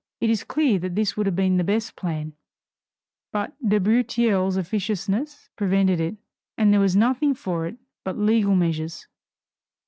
It is clear that this would have been the best plan, but de Breteuil's officiousness prevented it, and there was nothing for it but legal measures.